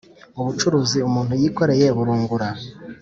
Ubucuruzi umuntu yikoreye burungura.